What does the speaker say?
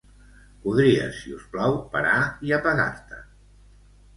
Podries, si us plau, parar i apagar-te.